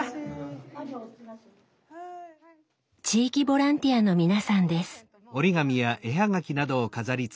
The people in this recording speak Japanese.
地域ボランティアの皆さんです。